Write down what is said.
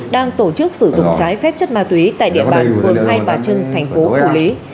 đang tổ chức sử dụng trái phép chất ma túy tại địa bàn phường hai bà trưng thành phố phủ lý